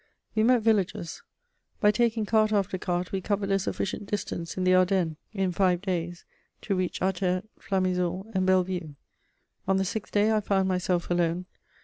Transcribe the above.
We met villagers; by taking cart after cart we covered a sufficient distance in the Ardennes, in five days, to reach Attert, Flamizoul, and Bellevue. On the sixth day I found myself alone.